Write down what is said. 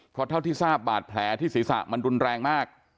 เพราะเท่าที่ทราบบาดแผลที่ศีรษะมันรุนแรงมาก